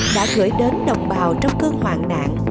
đã gửi đến đồng bào trong cơn hoạn nạn